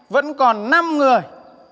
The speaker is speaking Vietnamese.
vẫn còn năm người